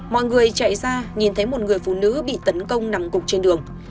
mọi người chạy ra nhìn thấy một người phụ nữ bị tấn công nằm cục trên đường